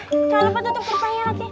jangan lupa tutup perpanya lagi